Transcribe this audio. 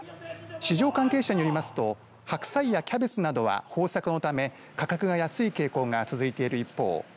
市場関係者によりますと白菜やキャベツなどは豊作のため価格が安い傾向が続いている一方